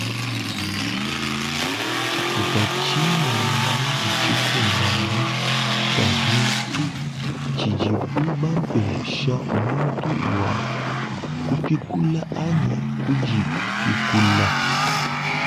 Tsitupa tshinene tshikumbane tshia bintu tshidibu bapesha muntu bua kupikula anyi kudipikula.